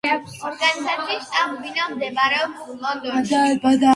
ორგანიზაციის შტაბ-ბინა მდებარეობს ლონდონში.